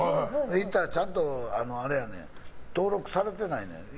言ったらちゃんとあれやねん登録されていないねん。